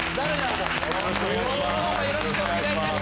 よろしくお願いします。